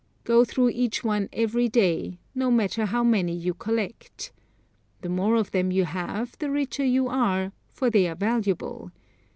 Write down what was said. Go through each one every day, no matter how many you collect. The more of them you have the richer you are, for they are valuable.